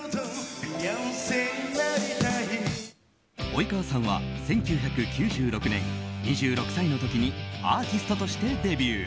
及川さんは１９９６年２６歳の時にアーティストとしてデビュー。